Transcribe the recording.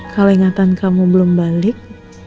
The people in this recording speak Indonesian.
kalau ingatan kamu belum balik